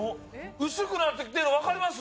薄くなってきてるのわかります？